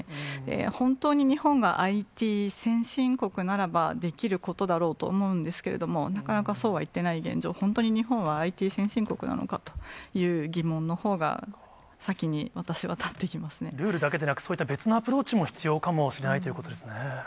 本当に日本がＩＴ先進国ならばできることだろうと思うんですけれども、なかなかそうはいっていない現状、本当に日本はＩＴ先進国なのかという疑問のほうが先に私は立ってルールだけでなく、そういった別のアプローチも必要かもしれないということですね。